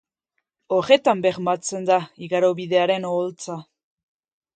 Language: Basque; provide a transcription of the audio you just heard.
Horretan bermatzen da igarobidearen oholtza.